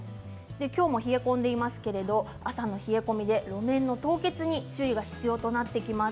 今日も冷え込んでいますけれど朝の冷え込みで路面の凍結に注意が必要となってきます。